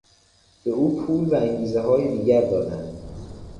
به او پول و انگیزههای دیگر دادند.